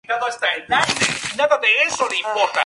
Atendió la escuela de ingeniería en Bagdad.